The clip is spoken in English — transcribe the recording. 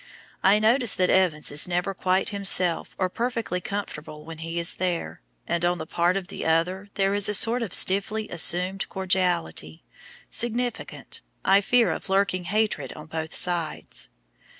I notice that Evans is never quite himself or perfectly comfortable when he is there; and on the part of the other there is a sort of stiffly assumed cordiality, significant, I fear of lurking hatred on both sides.